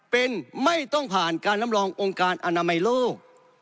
เป็นไม่ต้องผ่านการรับรององค์การอนามัยโลก